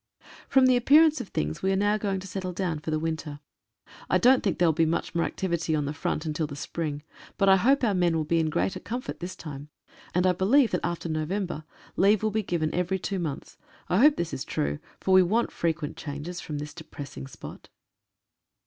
From the appearance of things we are now going to settle down for the winter. I don't think there will be much more activity on the front until the spring, but I hope our men will be in greater comfort this time, and I believe that after November leave will be given every two months. I hope this is true, for we want frequent changes from this depressing spot.